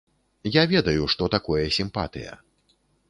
Я ведаю, што такое сімпатыя.